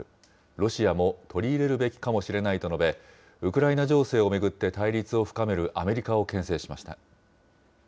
ロシアも取り入れるべきかもしれないと述べ、ウクライナ情勢を巡って対立を深めるアメリカをけん制しました。